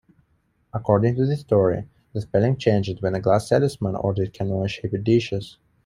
According to this story, the spelling changed when a glass salesman ordered canoe-shaped dishes.